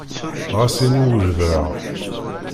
Ɣas ini wejdeɣ.